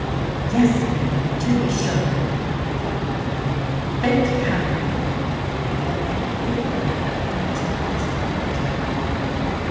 "Yes, ma'am—to be sure," replied the boy; "and thank'ee kindly." He then pocketed the money, and took his departure.